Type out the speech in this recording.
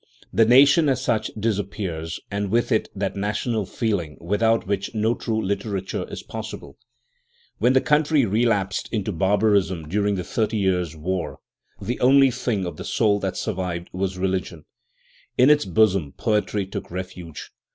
The nation as such disappears, and with it that national feeling without which, no true literature is possible. When the country relapsed into barbarism during the Thirty Years' War, the only thing Protestant hymn writers. II of the soul that survived was religion, IB its bosom poetry took refuge.